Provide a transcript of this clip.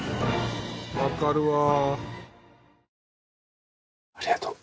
わかるわ。